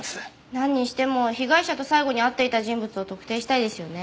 なんにしても被害者と最後に会っていた人物を特定したいですよね。